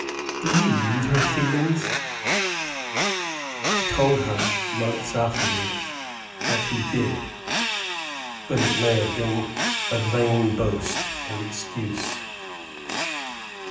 Did he read her feelings? He told her, months afterward, that he did; but it may have been a vain boast, an excuse.